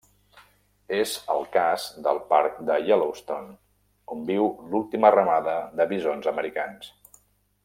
És el cas del parc de Yellowstone, on viu l'última ramada de bisons americans.